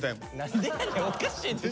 おかしいでしょ！